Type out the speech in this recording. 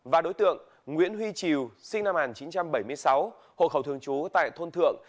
và đối tượng nguyễn huy triều sinh năm một nghìn chín trăm bảy mươi sáu hộ khẩu thường trú tại thôn thượng